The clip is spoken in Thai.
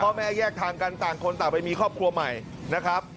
แยกทางกันต่างคนต่างไปมีครอบครัวใหม่นะครับ